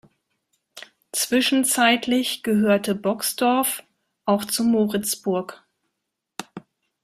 Zwischenzeitlich gehörte Boxdorf auch zu Moritzburg.